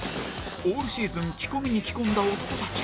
オールシーズン着込みに着込んだ男たち